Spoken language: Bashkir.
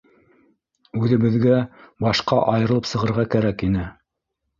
Үҙебеҙгә башҡа айырылып сығырға кәрәк ине.